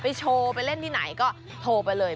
โชว์ไปเล่นที่ไหนก็โทรไปเลย